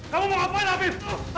kamu mau ngapain afif